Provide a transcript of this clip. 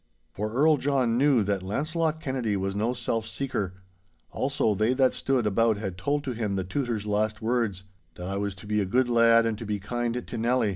For Earl John knew that Launcelot Kennedy was no self seeker; also they that stood about had told to him the Tutor's last words—that I was to be a good lad and to be kind to Nelly.